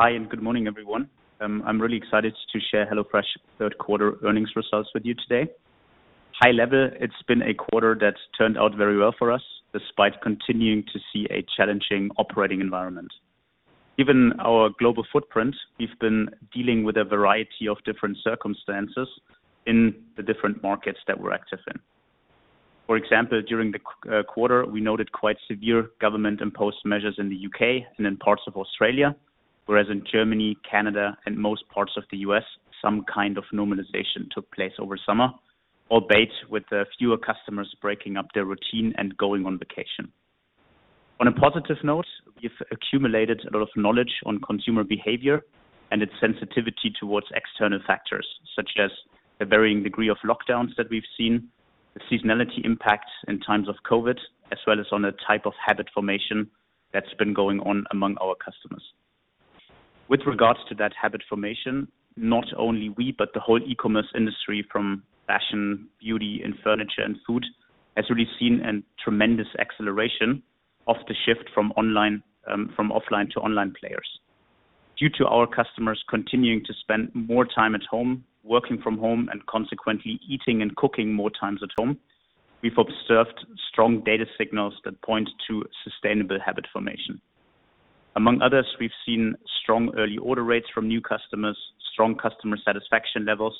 Hi, and good morning, everyone. I'm really excited to share HelloFresh third quarter earnings results with you today. High level, it's been a quarter that's turned out very well for us, despite continuing to see a challenging operating environment. Given our global footprint, we've been dealing with a variety of different circumstances in the different markets that we're active in. For example, during the quarter, we noted quite severe government-imposed measures in the U.K. and in parts of Australia. Whereas in Germany, Canada, and most parts of the U.S., some kind of normalization took place over summer, albeit with fewer customers breaking up their routine and going on vacation. On a positive note, we've accumulated a lot of knowledge on consumer behavior and its sensitivity towards external factors, such as the varying degree of lockdowns that we've seen, the seasonality impacts in times of COVID, as well as on the type of habit formation that's been going on among our customers. With regards to that habit formation, not only we, but the whole e-commerce industry from fashion, beauty, and furniture, and food, has really seen a tremendous acceleration of the shift from offline to online players. Due to our customers continuing to spend more time at home, working from home, and consequently eating and cooking more times at home, we've observed strong data signals that point to sustainable habit formation. Among others, we've seen strong early order rates from new customers, strong customer satisfaction levels,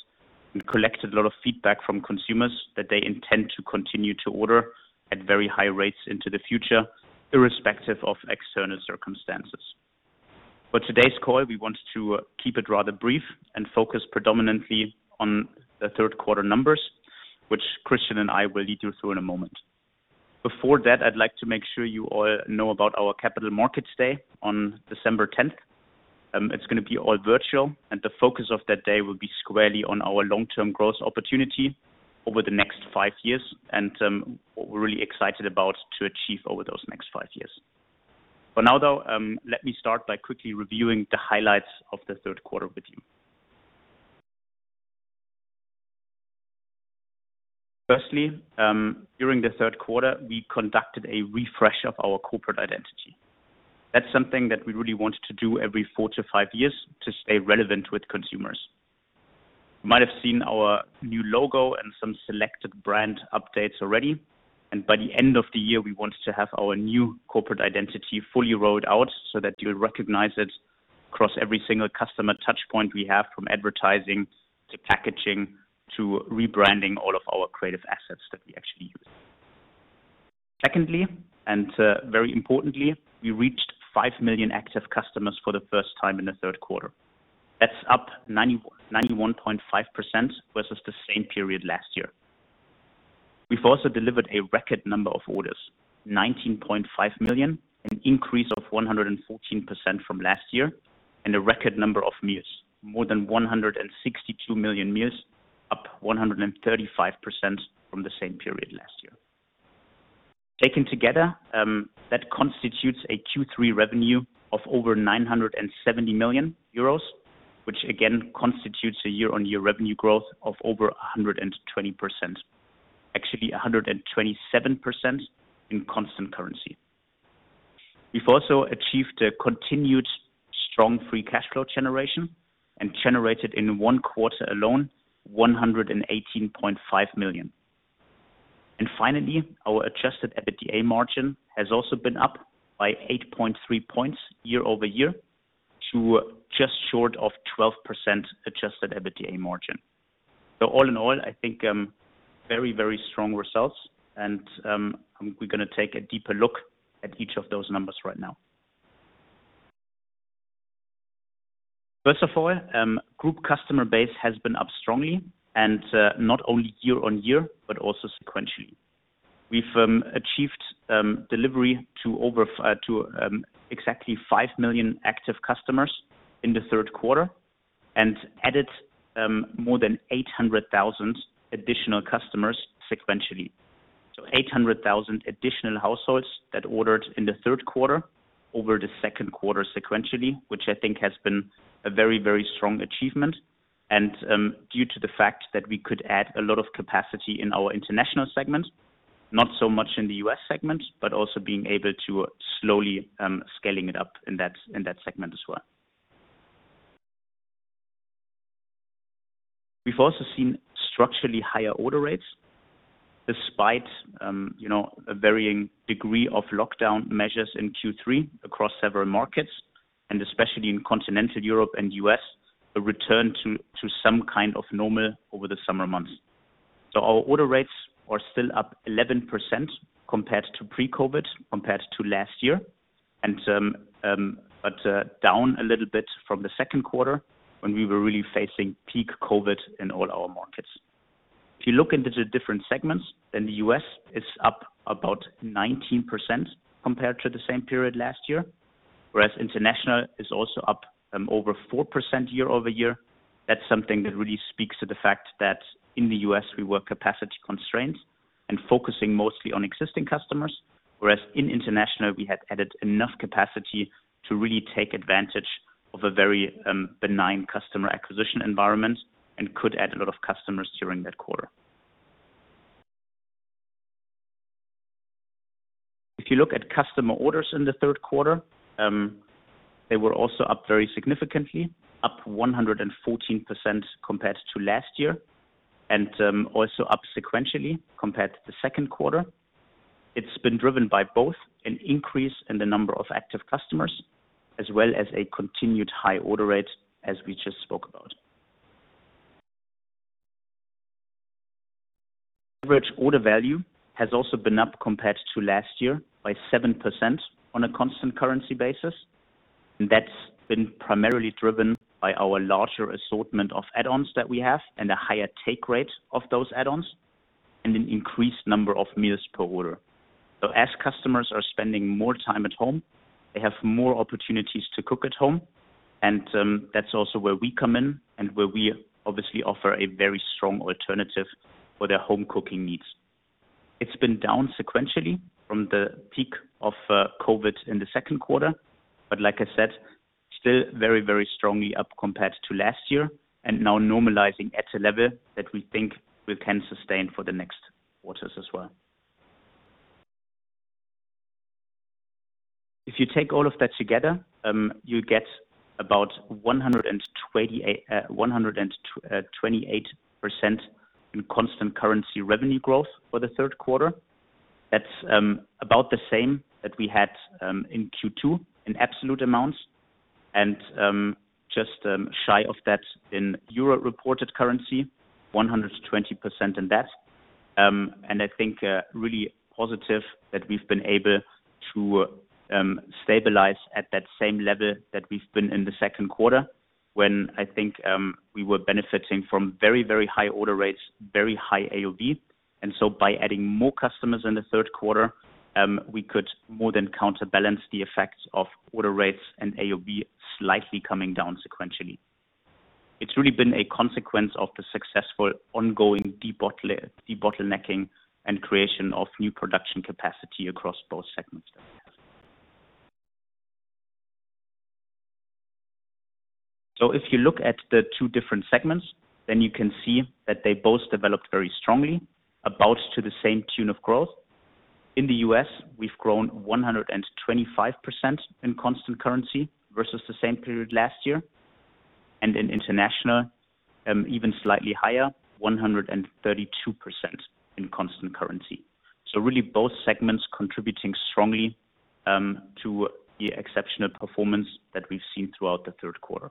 and collected a lot of feedback from consumers that they intend to continue to order at very high rates into the future, irrespective of external circumstances. For today's call, we want to keep it rather brief and focus predominantly on the third quarter numbers, which Christian and I will lead you through in a moment. Before that, I'd like to make sure you all know about our Capital Markets Day on December 10th. It's going to be all virtual, and the focus of that day will be squarely on our long-term growth opportunity over the next five years, and what we're really excited about to achieve over those next five years. For now, though, let me start by quickly reviewing the highlights of the third quarter with you. Firstly, during the third quarter, we conducted a refresh of our corporate identity. That's something that we really want to do every four-five years to stay relevant with consumers. You might have seen our new logo and some selected brand updates already, and by the end of the year, we want to have our new corporate identity fully rolled out so that you'll recognize it across every single customer touch point we have, from advertising to packaging to rebranding all of our creative assets that we actually use. Secondly, and very importantly, we reached five million active customers for the first time in the third quarter. That's up 91.5% versus the same period last year. We've also delivered a record number of orders, 19.5 million, an increase of 114% from last year, and a record number of meals. More than 162 million meals, up 135% from the same period last year. Taken together, that constitutes a Q3 revenue of over 970 million euros, which again constitutes a year-over-year revenue growth of over 120%. Actually, 127% in constant currency. We’ve also achieved a continued strong free cash flow generation and generated in one quarter alone, 118.5 million. Finally, our adjusted EBITDA margin has also been up by 8.3 points year-over-year to just short of 12% adjusted EBITDA margin. All in all, I think very strong results and we’re going to take a deeper look at each of those numbers right now. First of all, group customer base has been up strongly, not only year-on-year, but also sequentially. We’ve achieved delivery to exactly five million active customers in the third quarter and added more than 800,000 additional customers sequentially. 800,000 additional households that ordered in the third quarter over the second quarter sequentially, which I think has been a very strong achievement. Due to the fact that we could add a lot of capacity in our international segment, not so much in the U.S. segment, but also being able to slowly scaling it up in that segment as well. We've also seen structurally higher order rates despite a varying degree of lockdown measures in Q3 across several markets, and especially in continental Europe and U.S., a return to some kind of normal over the summer months. Our order rates are still up 11% compared to pre-COVID, compared to last year. Down a little bit from the second quarter when we were really facing peak COVID in all our markets. If you look into the different segments, the U.S. is up about 19% compared to the same period last year. International is also up over 4% year-over-year. That's something that really speaks to the fact that in the U.S., we were capacity constrained and focusing mostly on existing customers. In international, we had added enough capacity to really take advantage of a very benign customer acquisition environment and could add a lot of customers during that quarter. If you look at customer orders in the third quarter, they were also up very significantly, up 114% compared to last year, and also up sequentially compared to the second quarter. It's been driven by both an increase in the number of active customers as well as a continued high order rate, as we just spoke about. Average order value has also been up compared to last year by 7% on a constant currency basis. That's been primarily driven by our larger assortment of add-ons that we have and a higher take rate of those add-ons, and an increased number of meals per order. As customers are spending more time at home, they have more opportunities to cook at home. That's also where we come in and where we obviously offer a very strong alternative for their home cooking needs. It's been down sequentially from the peak of COVID in the second quarter. Like I said, still very, very strongly up compared to last year and now normalizing at a level that we think we can sustain for the next quarters as well. If you take all of that together, you get about 128% in constant currency revenue growth for the third quarter. That's about the same that we had in Q2 in absolute amounts and just shy of that in euro-reported currency, 120% in that. I think really positive that we've been able to stabilize at that same level that we've been in the second quarter, when I think we were benefiting from very, very high order rates, very high AOV. By adding more customers in the third quarter, we could more than counterbalance the effects of order rates and AOV slightly coming down sequentially. It's really been a consequence of the successful ongoing debottlenecking and creation of new production capacity across both segments that we have. If you look at the two different segments, then you can see that they both developed very strongly, about to the same tune of growth. In the U.S., we've grown 125% in constant currency versus the same period last year. In international, even slightly higher, 132% in constant currency. Really both segments contributing strongly to the exceptional performance that we've seen throughout the third quarter.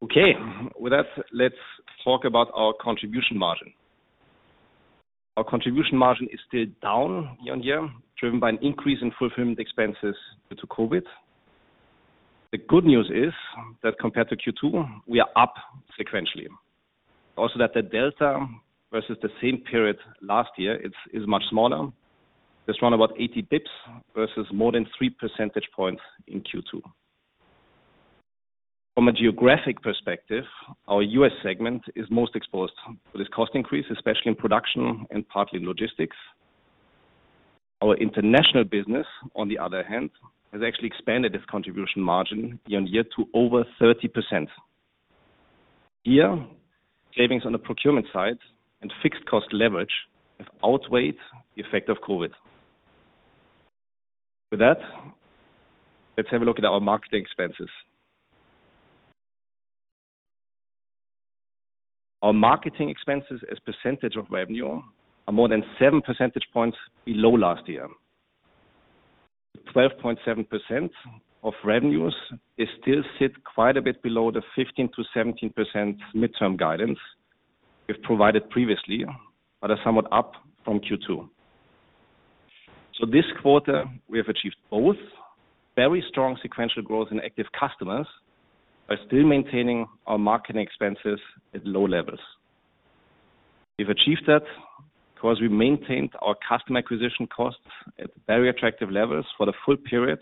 With that, let's talk about our contribution margin. Our contribution margin is still down year-on-year, driven by an increase in fulfillment expenses due to COVID. The good news is that compared to Q2, we are up sequentially. The delta versus the same period last year is much smaller. It's around about 80 basis points versus more than three percentage points in Q2. From a geographic perspective, our U.S. segment is most exposed to this cost increase, especially in production and partly in logistics. Our international business, on the other hand, has actually expanded its contribution margin year-over-year to over 30%. Here, savings on the procurement side and fixed cost leverage have outweighed the effect of COVID. With that, let's have a look at our marketing expenses. Our marketing expenses as percentage of revenue are more than seven percentage points below last year. The 12.7% of revenues, they still sit quite a bit below the 15%-17% midterm guidance we've provided previously, but are somewhat up from Q2. This quarter, we have achieved both very strong sequential growth in active customers, while still maintaining our marketing expenses at low levels. We've achieved that because we maintained our customer acquisition costs at very attractive levels for the full period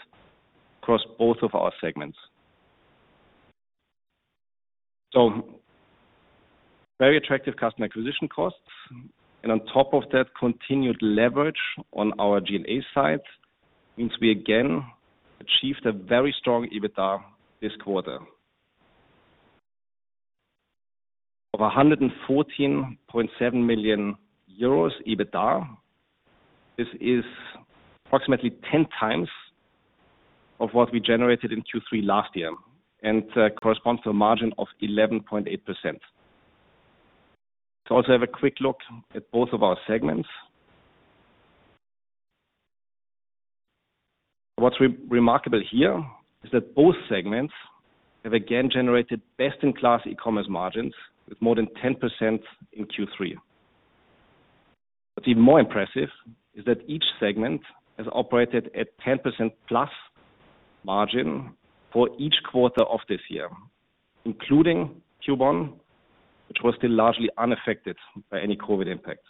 across both of our segments. Very attractive customer acquisition costs, and on top of that, continued leverage on our G&A side means we again achieved a very strong EBITDA this quarter. Of 114.7 million euros EBITDA, this is approximately 10 times of what we generated in Q3 last year, and corresponds to a margin of 11.8%. Let's also have a quick look at both of our segments. What's remarkable here is that both segments have again generated best-in-class e-commerce margins with more than 10% in Q3. What's even more impressive is that each segment has operated at 10% plus margin for each quarter of this year, including Q1, which was still largely unaffected by any COVID impact.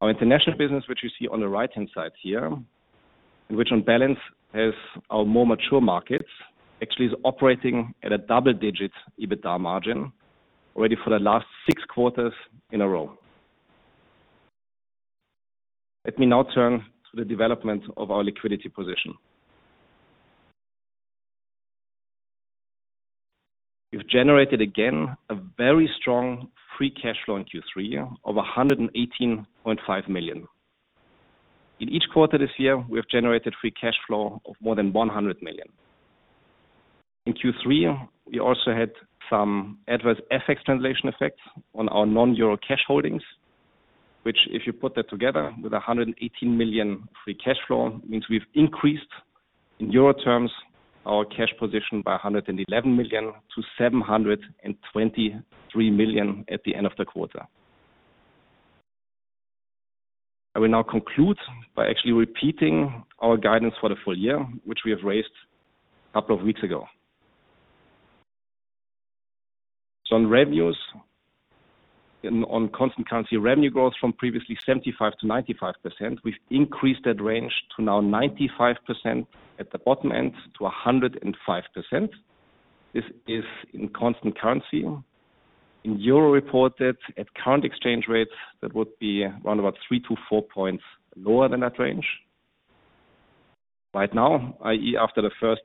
Our international business, which you see on the right-hand side here, and which on balance has our more mature markets, actually is operating at a double-digit EBITDA margin already for the last six quarters in a row. Let me now turn to the development of our liquidity position. We've generated, again, a very strong free cash flow in Q3 of 118.5 million. In each quarter this year, we have generated free cash flow of more than 100 million. In Q3, we also had some adverse FX translation effects on our non-euro cash holdings, which, if you put that together with 118 million free cash flow, means we've increased, in euro terms, our cash position by 111 million to 723 million at the end of the quarter. I will now conclude by actually repeating our guidance for the full year, which we have raised a couple of weeks ago. On revenues and on constant currency revenue growth from previously 75%-95%, we've increased that range to now 95% at the bottom end to 105%. This is in constant currency. In EUR reported at current exchange rates, that would be around about three-four points lower than that range. Right now, i.e., after the first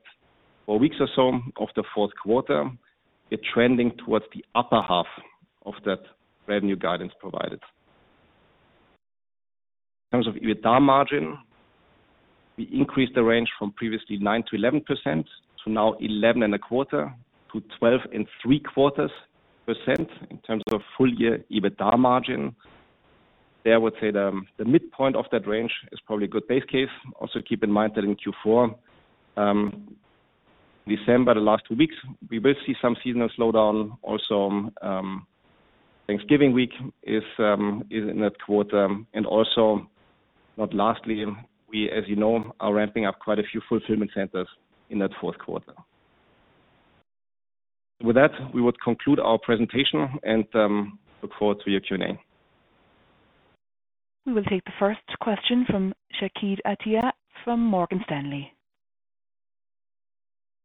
four weeks or so of the fourth quarter, we are trending towards the upper half of that revenue guidance provided. In terms of EBITDA margin, we increased the range from previously 9%-11% to now 11.25%-12.75% in terms of full year EBITDA margin. There, I would say the midpoint of that range is probably a good base case. Also, keep in mind that in Q4, December, the last two weeks, we will see some seasonal slowdown. Also, Thanksgiving week is in that quarter. Not lastly, we, as you know, are ramping up quite a few fulfillment centers in that fourth quarter. With that, we would conclude our presentation and look forward to your Q&A. We will take the first question from Shakib Attia from Morgan Stanley.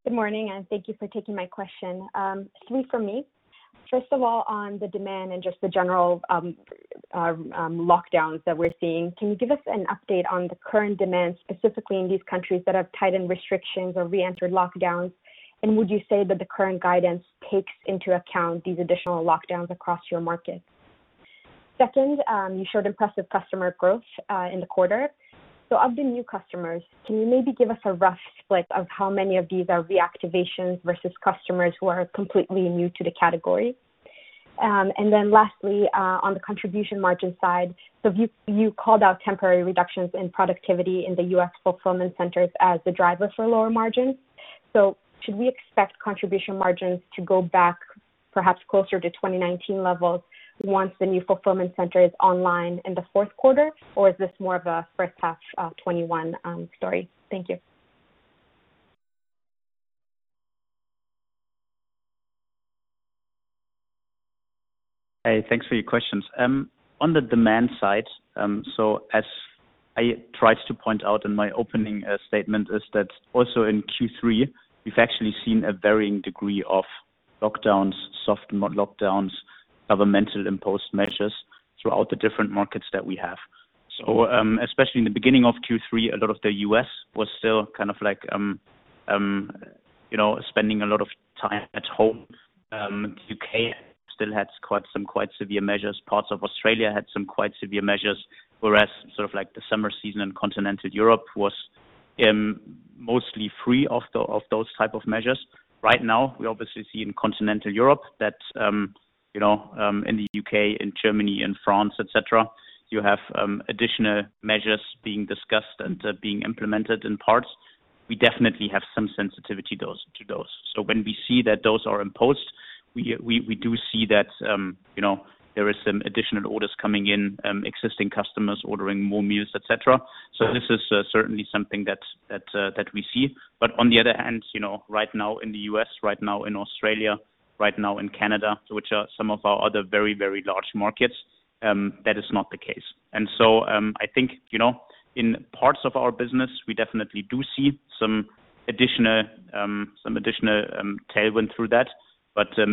Good morning, thank you for taking my question. Three from me. First of all, on the demand and just the general lockdowns that we're seeing, can you give us an update on the current demand, specifically in these countries that have tightened restrictions or re-entered lockdowns? Would you say that the current guidance takes into account these additional lockdowns across your markets? Second, you showed impressive customer growth, in the quarter. Of the new customers, can you maybe give us a rough split of how many of these are reactivations versus customers who are completely new to the category? Lastly, on the contribution margin side, you called out temporary reductions in productivity in the U.S. fulfillment centers as the driver for lower margins. Should we expect contribution margins to go back perhaps closer to 2019 levels once the new fulfillment center is online in the fourth quarter? Is this more of a first half 2021 story? Thank you. Hey, thanks for your questions. On the demand side, so as I tried to point out in my opening statement, is that also in Q3, we've actually seen a varying degree of lockdowns, soft lockdowns, governmental imposed measures throughout the different markets that we have. Especially in the beginning of Q3, a lot of the U.S. was still kind of spending a lot of time at home. U.K. still had some quite severe measures. Parts of Australia had some quite severe measures, whereas the summer season in continental Europe was mostly free of those type of measures. Right now, we obviously see in continental Europe that, in the U.K., in Germany and France, et cetera, you have additional measures being discussed and being implemented in parts. We definitely have some sensitivity to those. When we see that those are imposed, we do see that there are some additional orders coming in, existing customers ordering more meals, et cetera. On the other hand, right now in the U.S., right now in Australia, right now in Canada, which are some of our other very large markets, that is not the case. I think, in parts of our business, we definitely do see some additional tailwind through that.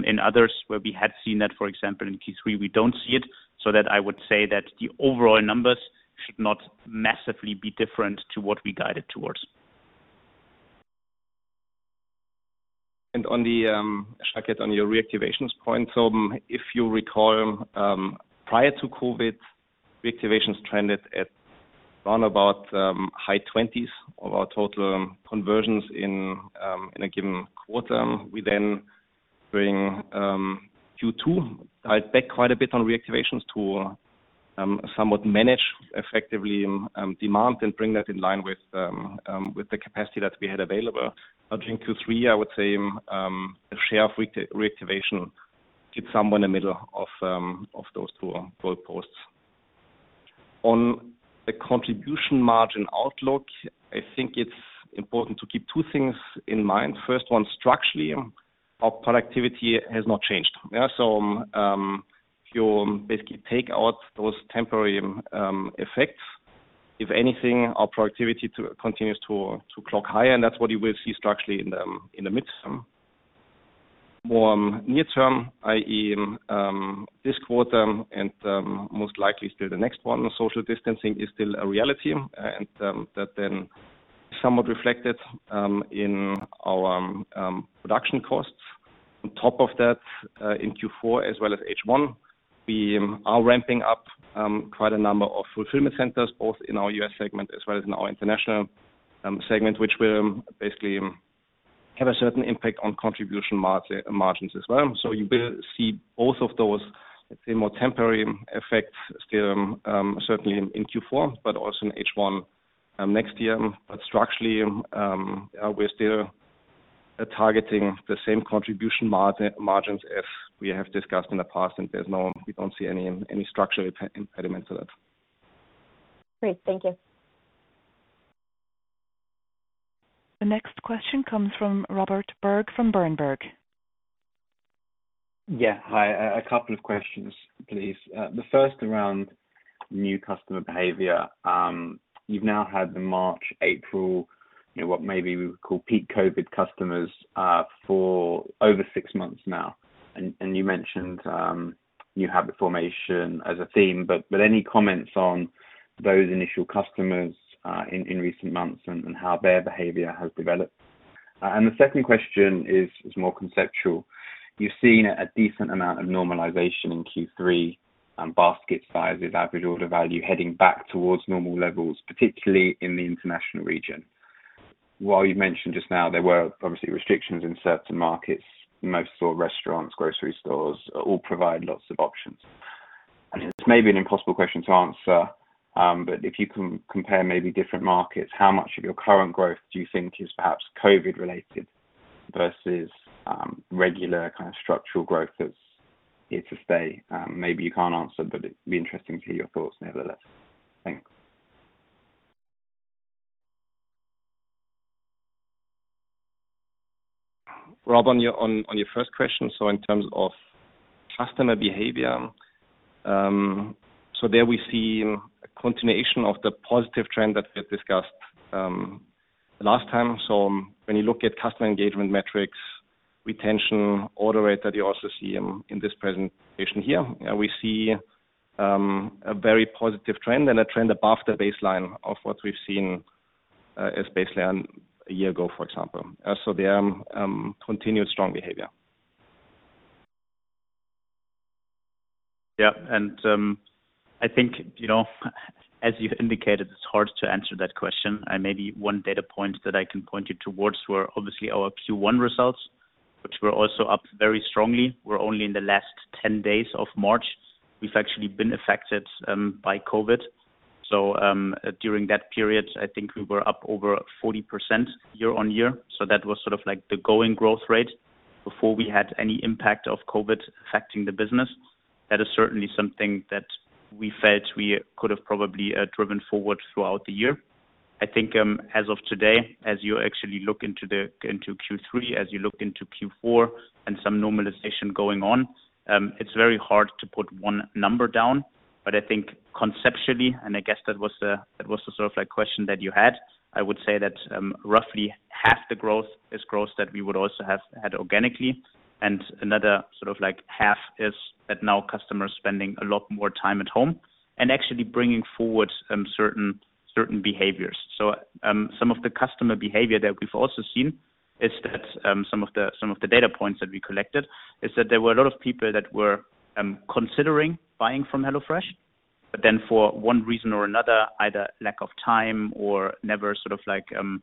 In others where we had seen that, for example, in Q3, we don't see it. That I would say that the overall numbers should not massively be different to what we guided towards. On the, Shakib, on your reactivations point, so if you recall, prior to COVID, reactivations trended at around about high 20s of our total conversions in a given quarter. We then, during Q2, dialed back quite a bit on reactivations to somewhat manage effectively demand and bring that in line with the capacity that we had available. During Q3, I would say the share of reactivation sits somewhere in the middle of those two goalposts. On the contribution margin outlook, I think it's important to keep two things in mind. First one, structurally, our productivity has not changed. Yeah, so, if you basically take out those temporary effects, if anything, our productivity continues to clock higher, and that's what you will see structurally in the mid-term. More near term, i.e., this quarter and most likely still the next one, social distancing is still a reality, and that then is somewhat reflected in our production costs. On top of that, in Q4 as well as H1, we are ramping up quite a number of fulfillment centers, both in our U.S. segment as well as in our international segment, which will basically have a certain impact on contribution margins as well. You will see both of those, let's say, more temporary effects still, certainly in Q4, but also in H1 next year. Structurally, we're still targeting the same contribution margins as we have discussed in the past, and we don't see any structural impediments to that. Great. Thank you. The next question comes from Robert Berg from Berenberg. Yeah. Hi. A couple of questions, please. The first around new customer behavior. You've now had the March, April, what maybe we would call peak COVID customers, for over six months now. You mentioned new habit formation as a theme, any comments on those initial customers in recent months and how their behavior has developed? The second question is more conceptual. You've seen a decent amount of normalization in Q3 and basket sizes, average order value heading back towards normal levels, particularly in the international region. While you mentioned just now there were obviously restrictions in certain markets, most store restaurants, grocery stores, all provide lots of options. This may be an impossible question to answer, but if you can compare maybe different markets, how much of your current growth do you think is perhaps COVID related versus regular kind of structural growth that's here to stay? Maybe you can't answer, but it'd be interesting to hear your thoughts nevertheless. Thanks. Rob, on your first question, in terms of customer behavior, so there we see a continuation of the positive trend that we had discussed last time. When you look at customer engagement metrics, retention, order rate that you also see in this presentation here, we see a very positive trend and a trend above the baseline of what we've seen as baseline a year ago, for example. They are continued strong behavior. Yeah. I think, as you indicated, it's hard to answer that question. Maybe one data point that I can point you towards were obviously our Q1 results, which were also up very strongly. We're only in the last 10 days of March, we've actually been affected by COVID. During that period, I think we were up over 40% year on year. That was sort of like the going growth rate before we had any impact of COVID affecting the business. That is certainly something that we felt we could have probably driven forward throughout the year. I think, as of today, as you actually look into Q3, as you look into Q4 and some normalization going on, it's very hard to put one number down. I think conceptually, and I guess that was the sort of question that you had, I would say that roughly half the growth is growth that we would also have had organically, and another sort of half is that now customers spending a lot more time at home and actually bringing forward certain behaviors. Some of the customer behavior that we've also seen is that some of the data points that we collected is that there were a lot of people that were considering buying from HelloFresh, for one reason or another, either lack of time or never sort of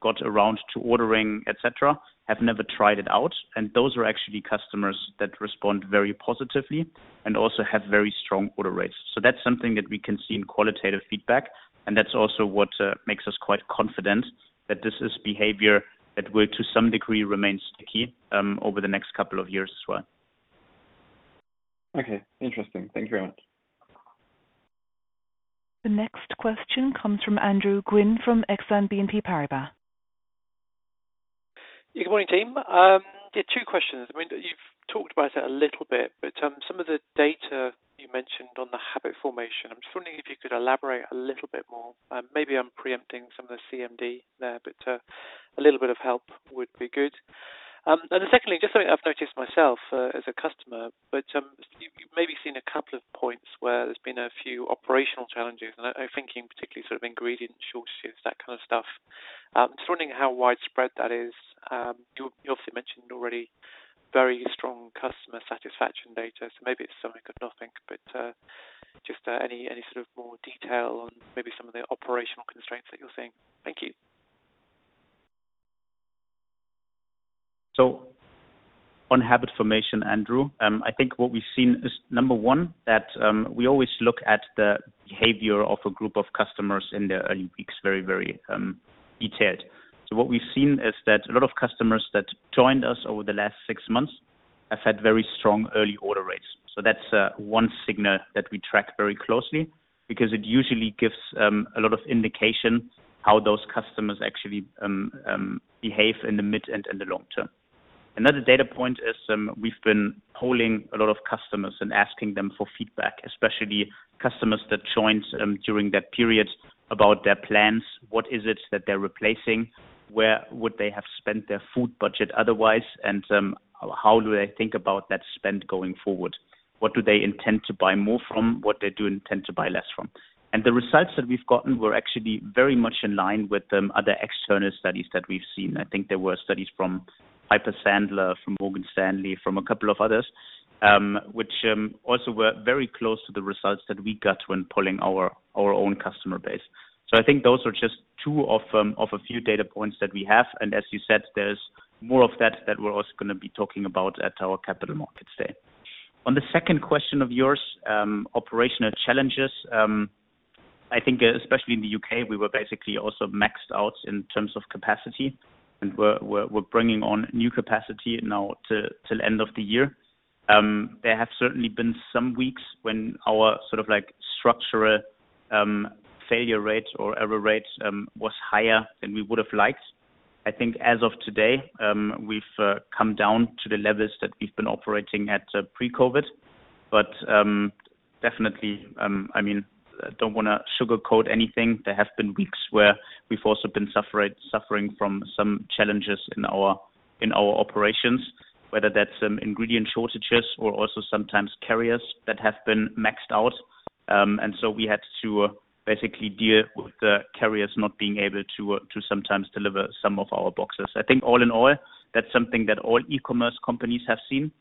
got around to ordering, et cetera, have never tried it out. Those are actually customers that respond very positively and also have very strong order rates. That's something that we can see in qualitative feedback, and that's also what makes us quite confident that this is behavior that will, to some degree, remain sticky over the next couple of years as well. Okay. Interesting. Thank you very much. The next question comes from Andrew Gwynn from Exane BNP Paribas. Good morning, team. Two questions. I mean, you've talked about it a little bit, but some of the data you mentioned on the habit formation, I'm just wondering if you could elaborate a little bit more. Maybe I'm preempting some of the CMD there, but a little bit of help would be good. Secondly, just something I've noticed myself as a customer, but you've maybe seen a couple of points where there's been a few operational challenges, and I'm thinking particularly sort of ingredient shortages, that kind of stuff. I'm just wondering how widespread that is. You obviously mentioned already very strong customer satisfaction data, so maybe it's something of nothing, but just any sort of more detail on maybe some of the operational constraints that you're seeing. Thank you. On habit formation, Andrew, I think what we've seen is, number one, that we always look at the behavior of a group of customers in their early weeks very detailed. What we've seen is that a lot of customers that joined us over the last six months have had very strong early order rates. That's one signal that we track very closely because it usually gives a lot of indication how those customers actually behave in the mid and in the long term. Another data point is we've been polling a lot of customers and asking them for feedback, especially customers that joined during that period about their plans. What is it that they're replacing? Where would they have spent their food budget otherwise? How do they think about that spend going forward? What do they intend to buy more from, what they do intend to buy less from. The results that we've gotten were actually very much in line with the other external studies that we've seen. I think there were studies from Piper Sandler, from Morgan Stanley, from a couple of others, which also were very close to the results that we got when pulling our own customer base. I think those are just two of a few data points that we have, and as you said, there's more of that that we're also going to be talking about at our capital markets day. On the second question of yours, operational challenges, I think especially in the U.K., we were basically also maxed out in terms of capacity, and we're bringing on new capacity now till end of the year. There have certainly been some weeks when our structural failure rates or error rates was higher than we would've liked. I think as of today, we've come down to the levels that we've been operating at pre-COVID. Definitely, I don't want to sugarcoat anything. There have been weeks where we've also been suffering from some challenges in our operations, whether that's ingredient shortages or also sometimes carriers that have been maxed out. We had to basically deal with the carriers not being able to sometimes deliver some of our boxes. I think all in all, that's something that all e-commerce companies have seen.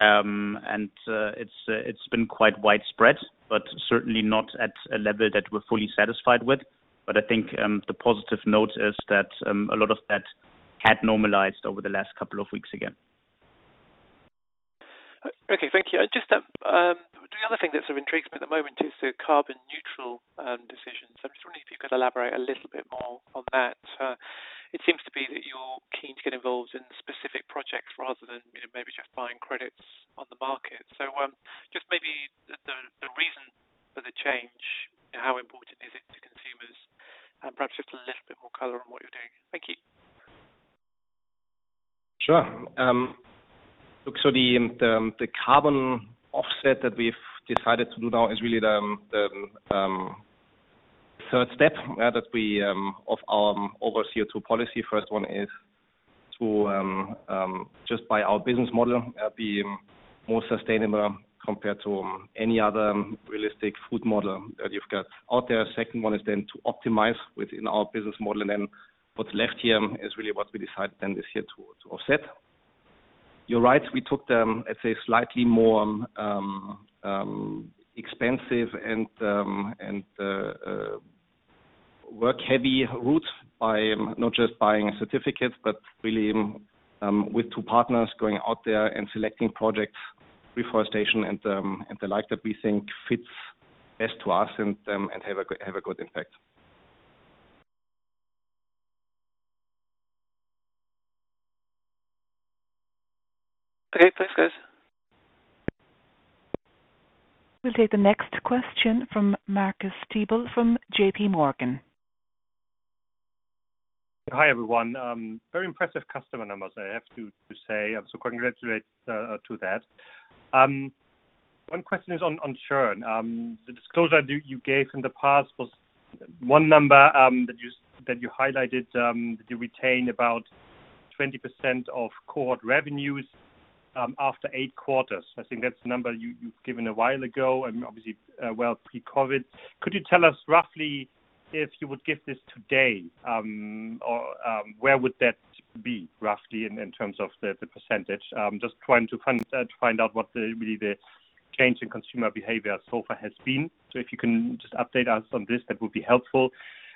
It's been quite widespread, but certainly not at a level that we're fully satisfied with. I think the positive note is that a lot of that had normalized over the last couple of weeks again. Okay, thank you. Just the other thing that sort of intrigues me at the moment is the carbon neutral decisions. I'm just wondering if you could elaborate a little bit more on that. It seems to be that you're keen to get involved in specific projects rather than maybe just buying credits on the market. Just maybe the reason for the change, how important is it to consumers? Perhaps just a little bit more color on what you're doing. Thank you. Sure. Look, the carbon offset that we've decided to do now is really the third step of our over CO2 policy. First one is to just by our business model, be more sustainable compared to any other realistic food model that you've got out there. Second one is then to optimize within our business model, and then what's left here is really what we decided then this year to offset. You're right. We took, let's say, slightly more expensive and work heavy route by not just buying certificates, but really with two partners going out there and selecting projects, reforestation and the like that we think fits best to us and have a good impact. Okay, thanks, guys. We'll take the next question from Marcus Diebel from JPMorgan. Hi, everyone. Very impressive customer numbers, I have to say. Congratulate on that. One question is on churn. The disclosure that you gave in the past was one number that you highlighted, that you retain about 20% of core revenues after eight quarters. I think that's the number you've given a while ago, and obviously, well pre-COVID. Could you tell us roughly if you would give this today, where would that be roughly in terms of the percentage? Just trying to find out what really the change in consumer behavior so far has been. If you can just update us on this, that would be helpful.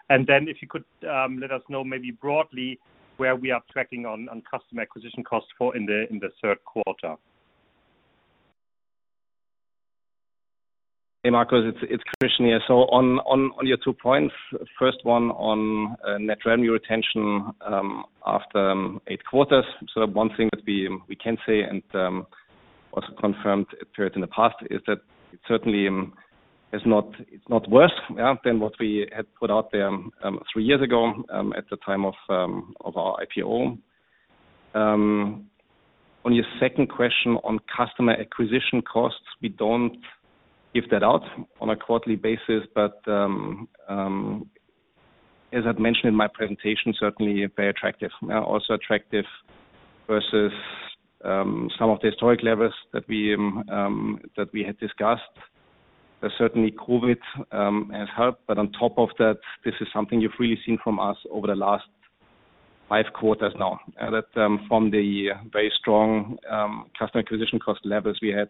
If you could let us know maybe broadly where we are tracking on customer acquisition costs for in the third quarter. Hey, Marcus, it's Christian here. On your two points, first one on net revenue retention after eight quarters. One thing that we can say, and also confirmed periods in the past, is that it certainly it's not worse than what we had put out there three years ago at the time of our IPO. On your second question on customer acquisition costs, we don't give that out on a quarterly basis. As I've mentioned in my presentation, certainly very attractive. Also attractive versus some of the historic levels that we had discussed. Certainly COVID has helped, but on top of that, this is something you've really seen from us over the last five quarters now. That from the very strong customer acquisition cost levels we had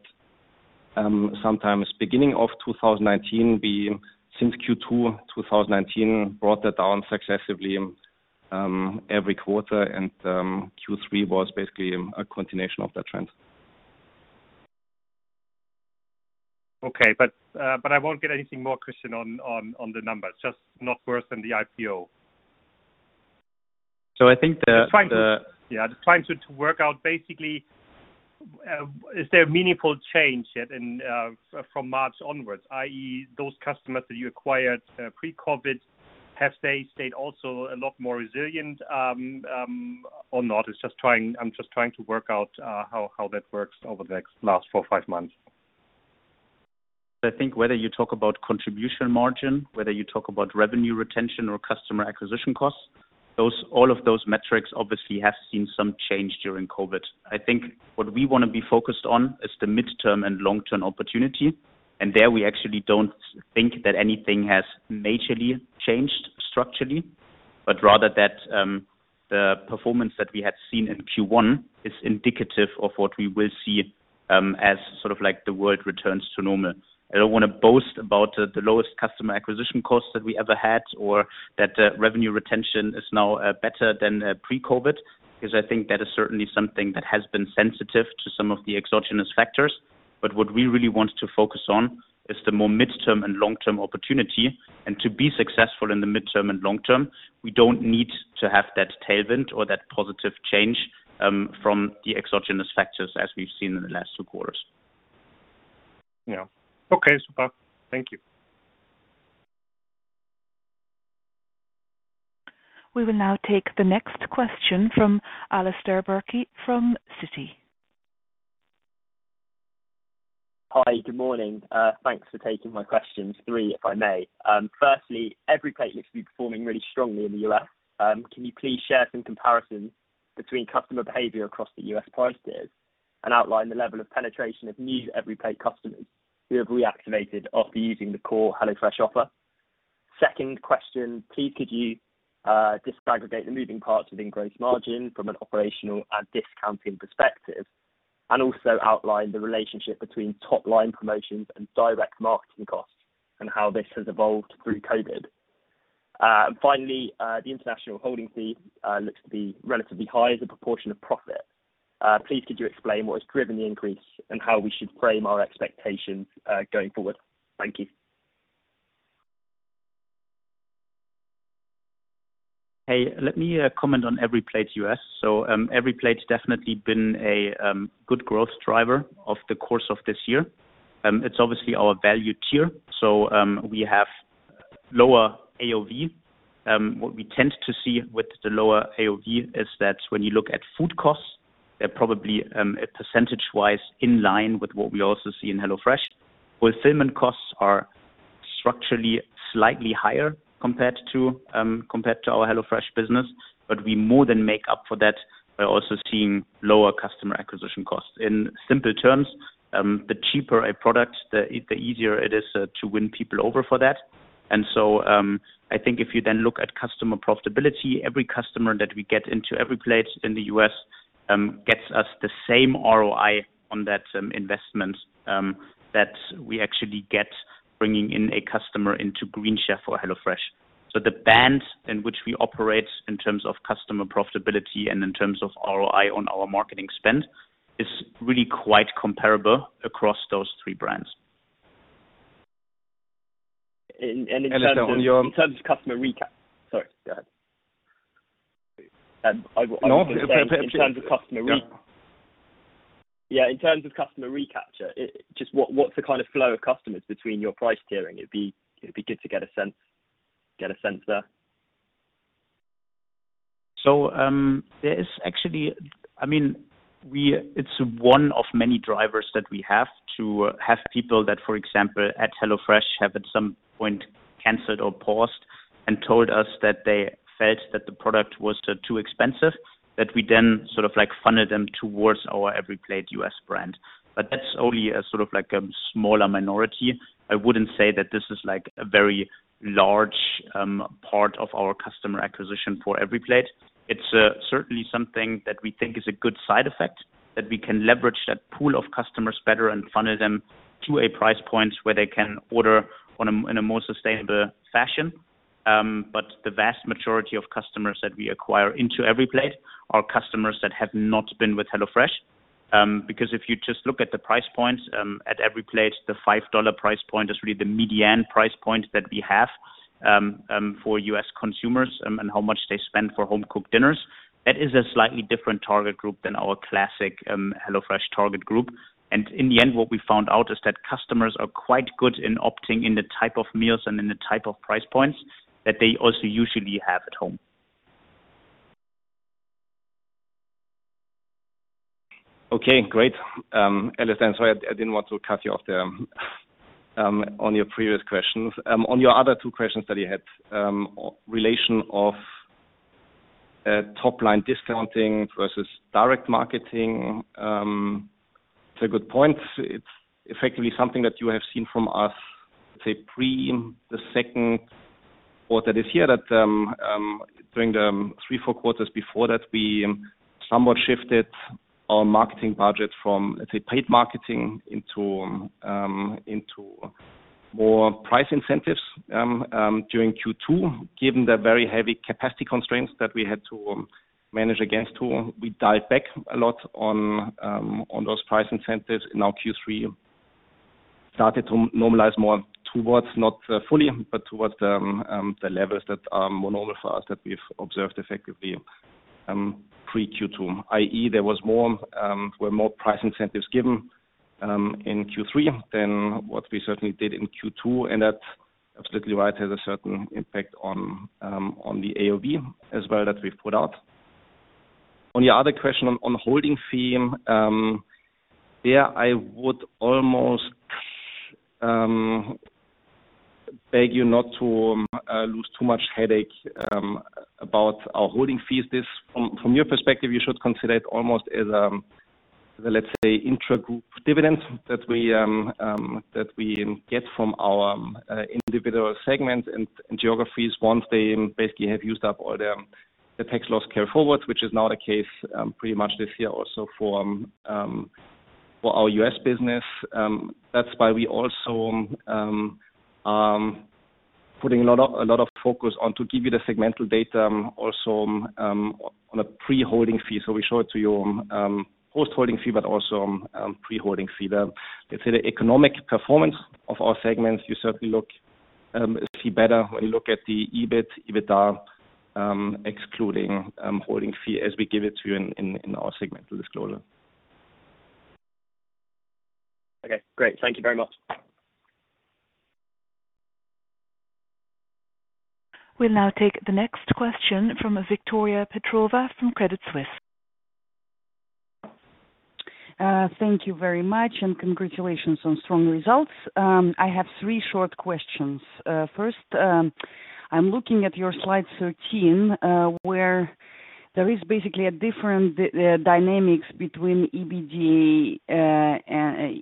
sometimes beginning of 2019, we, since Q2 2019, brought that down successively every quarter, and Q3 was basically a continuation of that trend. Okay. I won't get anything more, Christian, on the numbers. Just not worse than the IPO. So I think the-. Just trying to work out, basically, is there a meaningful change yet in from March onwards, i.e., those customers that you acquired pre-COVID, have they stayed also a lot more resilient or not? I'm just trying to work out how that works over the next last four or five months. I think whether you talk about contribution margin, whether you talk about revenue retention or customer acquisition costs, all of those metrics obviously have seen some change during COVID. I think what we want to be focused on is the midterm and long-term opportunity, there we actually don't think that anything has majorly changed structurally, but rather that the performance that we had seen in Q1 is indicative of what we will see as the world returns to normal. I don't want to boast about the lowest customer acquisition costs that we ever had, or that revenue retention is now better than pre-COVID, because I think that is certainly something that has been sensitive to some of the exogenous factors. What we really want to focus on is the more midterm and long-term opportunity. To be successful in the midterm and long-term, we don't need to have that tailwind or that positive change from the exogenous factors as we've seen in the last two quarters. Yeah. Okay, super. Thank you. We will now take the next question from Alistair Burke from Citi. Hi. Good morning. Thanks for taking my questions. Three, if I may. Firstly, EveryPlate looks to be performing really strongly in the U.S. Can you please share some comparisons between customer behavior across the U.S. price tiers, and outline the level of penetration of new EveryPlate customers who have reactivated after using the core HelloFresh offer? Second question, please could you disaggregate the moving parts within gross margin from an operational and discounting perspective, and also outline the relationship between top-line promotions and direct marketing costs and how this has evolved through COVID? Finally, the international holding fee looks to be relatively high as a proportion of profit. Please could you explain what has driven the increase and how we should frame our expectations going forward? Thank you. Hey, let me comment on EveryPlate U.S. EveryPlate's definitely been a good growth driver of the course of this year. It's obviously our value tier, so we have lower AOV. What we tend to see with the lower AOV is that when you look at food costs, they're probably percentage-wise in line with what we also see in HelloFresh. Fulfillment costs are structurally slightly higher compared to our HelloFresh business, but we more than make up for that by also seeing lower customer acquisition costs. In simple terms, the cheaper a product, the easier it is to win people over for that. I think if you then look at customer profitability, every customer that we get into EveryPlate in the U.S. gets us the same ROI on that investment that we actually get bringing in a customer into Green Chef or HelloFresh. The band in which we operate in terms of customer profitability and in terms of ROI on our marketing spend is really quite comparable across those three brands. And in terms of-. Alistair. Sorry, go ahead. No. Please. Yeah. Yeah, in terms of customer recapture, just what's the kind of flow of customers between your price tiering? It'd be good to get a sense there. It's one of many drivers that we have to have people that, for example, at HelloFresh, have at some point canceled or paused and told us that they felt that the product was too expensive, that we then sort of funneled them towards our EveryPlate U.S. brand. That's only a sort of smaller minority. I wouldn't say that this is a very large part of our customer acquisition for EveryPlate. It's certainly something that we think is a good side effect, that we can leverage that pool of customers better and funnel them to a price point where they can order in a more sustainable fashion. The vast majority of customers that we acquire into EveryPlate are customers that have not been with HelloFresh. If you just look at the price points, at EveryPlate, the $5 price point is really the median price point that we have for U.S. consumers, and how much they spend for home-cooked dinners. That is a slightly different target group than our classic HelloFresh target group. In the end, what we found out is that customers are quite good in opting in the type of meals and in the type of price points that they also usually have at home. Okay, great. Alistair, I'm sorry, I didn't want to cut you off there on your previous questions. On your other two questions that you had, relation of top-line discounting versus direct marketing, it's a good point. It's effectively something that you have seen from us, say, pre the second quarter this year. During the three, four quarters before that, we somewhat shifted our marketing budget from, let's say, paid marketing into more price incentives during Q2. Given the very heavy capacity constraints that we had to manage against too, we dialed back a lot on those price incentives. In our Q3, started to normalize more towards, not fully, but towards the levels that are more normal for us, that we've observed effectively pre-Q2, i.e., there were more price incentives given in Q3 than what we certainly did in Q2. That's absolutely right. It has a certain impact on the AOV as well that we've put out. On your other question on holding fee, there I would almost beg you not to lose too much headache about our holding fees. From your perspective, you should consider it almost as, let's say, intra-group dividends that we get from our individual segments and geographies once they basically have used up all their tax loss carryforwards, which is now the case pretty much this year also for our U.S. business. That's why we also are putting a lot of focus on to give you the segmental data also on a pre-holding fee. So we show it to you post-holding fee, but also pre-holding fee. Let's say the economic performance of our segments, you certainly see better when you look at the EBIT, EBITDA, excluding holding fee as we give it to you in our segmental disclosure. Okay, great. Thank you very much. We'll now take the next question from Victoria Petrova from Credit Suisse. Thank you very much. Congratulations on strong results. I have three short questions. First, I'm looking at your slide 13, where there is basically a different dynamics between EBITDA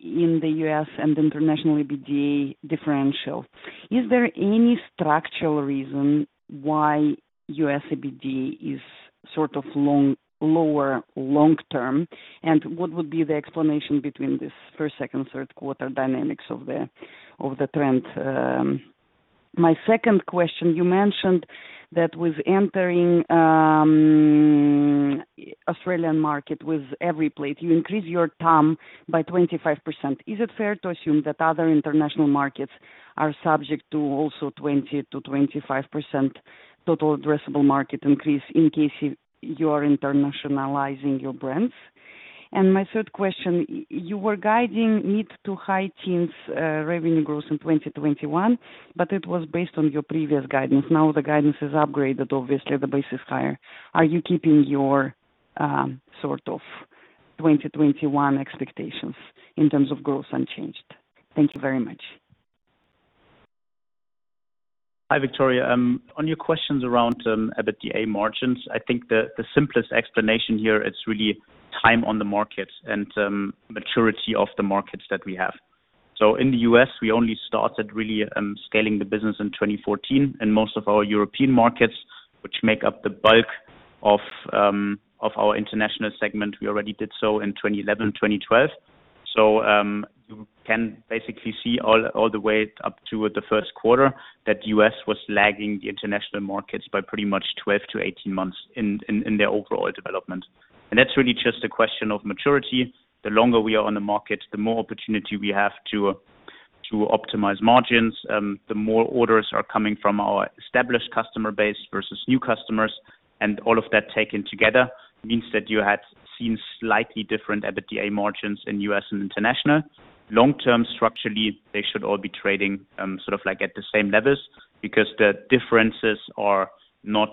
in the U.S. and international EBITDA differential. Is there any structural reason why U.S. EBITDA is sort of lower long-term? What would be the explanation between this first, second, third quarter dynamics of the trend? My second question, you mentioned that with entering Australian market with EveryPlate, you increase your TAM by 25%. Is it fair to assume that other international markets are subject to also 20%-25% total addressable market increase in case you are internationalizing your brands? My third question, you were guiding mid to high teens revenue growth in 2021, but it was based on your previous guidance. Now the guidance is upgraded. Obviously, the base is higher. Are you keeping your sort of 2021 expectations in terms of growth unchanged? Thank you very much. Hi, Victoria. On your questions around EBITDA margins, I think the simplest explanation here is really time on the markets and maturity of the markets that we have. In the U.S., we only started really scaling the business in 2014, and most of our European markets, which make up the bulk of our international segment, we already did so in 2011, 2012. You can basically see all the way up to the first quarter that U.S. was lagging the international markets by pretty much 12-18 months in their overall development. That's really just a question of maturity. The longer we are on the market, the more opportunity we have to optimize margins, the more orders are coming from our established customer base versus new customers, and all of that taken together means that you had seen slightly different EBITDA margins in U.S. and international. Long-term, structurally, they should all be trading sort of like at the same levels because the differences are not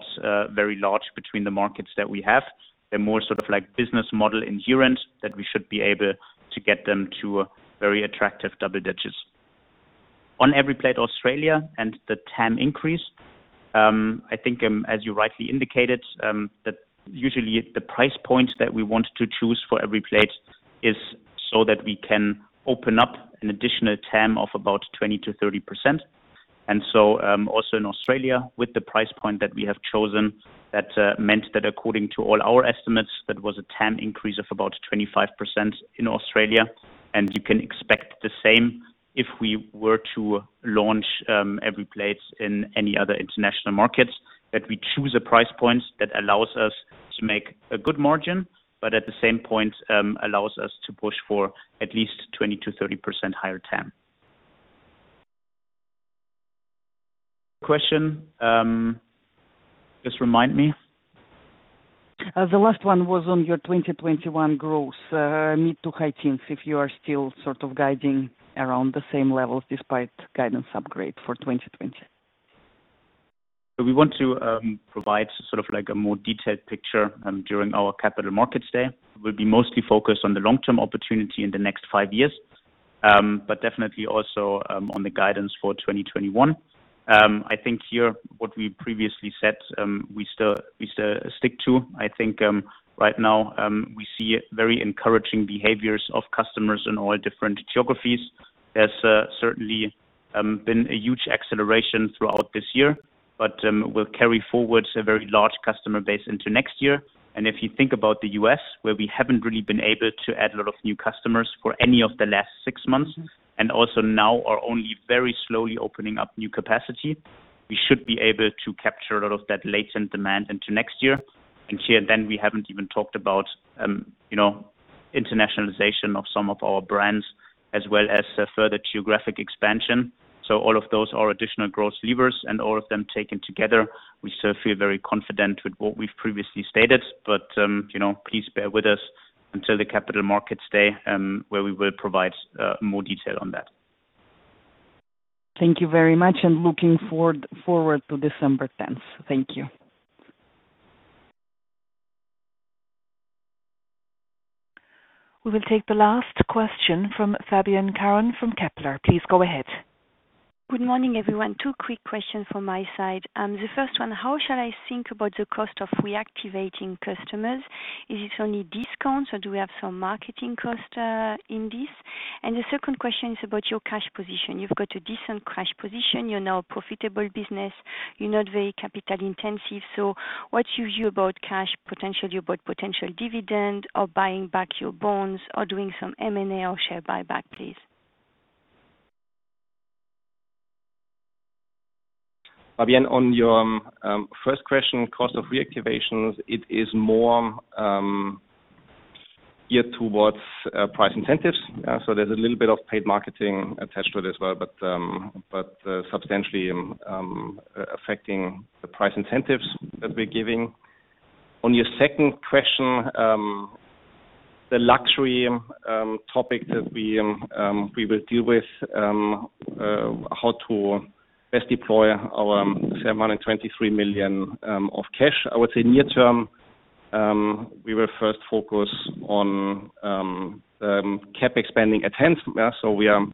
very large between the markets that we have. They're more sort of like business model inherent that we should be able to get them to very attractive double digits. On EveryPlate Australia and the TAM increase, I think as you rightly indicated, that usually the price point that we want to choose for EveryPlate is so that we can open up an additional TAM of about 20%-30%. Also in Australia, with the price point that we have chosen, that meant that according to all our estimates, that was a TAM increase of about 25% in Australia, and you can expect the same if we were to launch EveryPlate in any other international markets, that we choose a price point that allows us to make a good margin, but at the same point, allows us to push for at least 20%-30% higher TAM. Question. Just remind me. The last one was on your 2021 growth, mid to high teens, if you are still sort of guiding around the same levels despite guidance upgrade for 2020. We want to provide sort of like a more detailed picture during our Capital Markets Day. We'll be mostly focused on the long-term opportunity in the next five years, definitely also on the guidance for 2021. I think here, what we previously said, we still stick to. I think right now, we see very encouraging behaviors of customers in all different geographies. There's certainly been a huge acceleration throughout this year, we'll carry forward a very large customer base into next year. If you think about the U.S., where we haven't really been able to add a lot of new customers for any of the last six months, and also now are only very slowly opening up new capacity, we should be able to capture a lot of that latent demand into next year. Here then we haven't even talked about internationalization of some of our brands, as well as further geographic expansion. All of those are additional growth levers, and all of them taken together, we still feel very confident with what we've previously stated. Please bear with us until the Capital Markets Day, where we will provide more detail on that. Thank you very much, and looking forward to December 10th. Thank you. We will take the last question from Fabienne Caron from Kepler. Please go ahead. Good morning, everyone. Two quick questions from my side. The first one, how shall I think about the cost of reactivating customers? Is it only discounts, or do we have some marketing cost in this? The second question is about your cash position. You've got a decent cash position. You're now a profitable business. You're not very capital intensive. What's your view about cash potential, about potential dividend or buying back your bonds or doing some M&A or share buyback, please? Fabienne, on your first question, cost of reactivations, it is more geared towards price incentives. There's a little bit of paid marketing attached to it as well, but substantially affecting the price incentives that we're giving. On your second question, the luxury topic that we will deal with, how to best deploy our 723 million of cash. I would say near term, we will first focus on CapEx spending so we are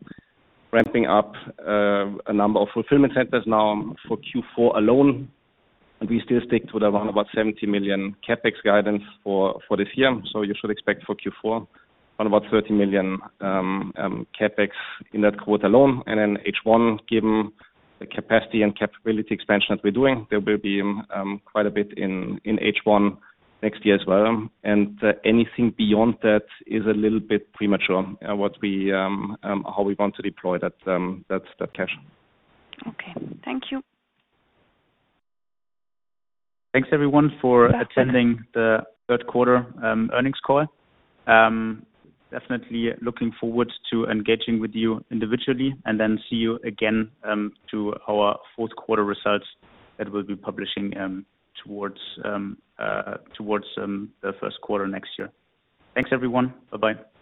ramping up a number of fulfillment centers now for Q4 alone, and we still stick to the around about 70 million CapEx guidance for this year. You should expect for Q4 around about 30 million CapEx in that quarter alone. Then H1, given the capacity and capability expansion that we're doing, there will be quite a bit in H1 next year as well. Anything beyond that is a little bit premature, how we want to deploy that cash. Okay. Thank you. Thanks everyone for attending the third quarter earnings call. Definitely looking forward to engaging with you individually and then see you again to our fourth quarter results that we'll be publishing towards the first quarter next year. Thanks everyone. Bye-bye.